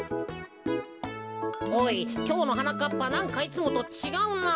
おいきょうのはなかっぱなんかいつもとちがうなぁ。